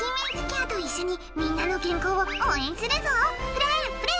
フレフレ！